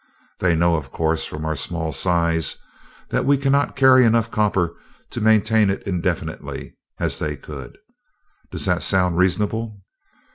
They know, of course, from our small size, that we cannot carry enough copper to maintain it indefinitely, as they could. Does that sound reasonable?"